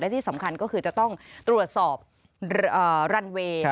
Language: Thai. ที่สำคัญก็คือจะต้องตรวจสอบรันเวย์